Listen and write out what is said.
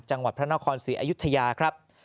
จังหวัดพระนครศรีอยุธยาครับ